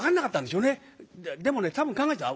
でもね多分考えてた。